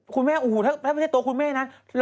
คุณแม่ถ้าไม่ใช่โต๊ะคุณแม่นั้น